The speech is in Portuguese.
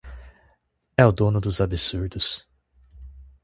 É o dono dos absurdos.